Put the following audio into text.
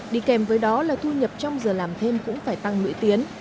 đi kèm với đó là thu nhập trong giờ làm thêm cũng phải tăng lũy tiến